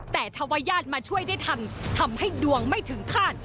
แต่ธวายาทมาช่วยได้ทันทำให้ดวงไม่ถึงฆาต